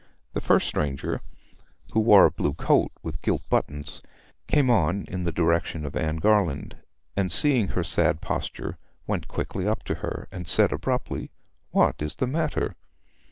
The first stranger, who wore a blue coat with gilt buttons, came on in the direction of Anne Garland, and seeing her sad posture went quickly up to her, and said abruptly, 'What is the matter?'